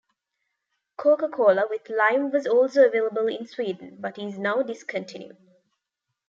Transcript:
Coca-Cola with Lime was also available in Sweden, but is now discontinued.